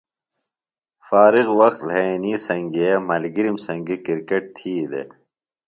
فارغ وقت لھئینی سنگئے ملگِرِم سنگیۡ کِرکٹ تھی دےۡ۔